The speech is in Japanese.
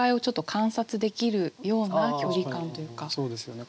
そうですよね。